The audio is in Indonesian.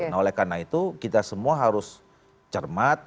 nah oleh karena itu kita semua harus cermat